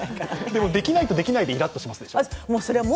でも、できないとできないでイラッとするでしょ？